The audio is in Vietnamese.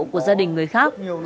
của gia đình người khác